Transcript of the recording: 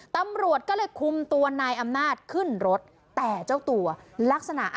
ตำรวจก็เลยคุมตัวนายอำนาจขึ้นรถแต่เจ้าตัวลักษณะ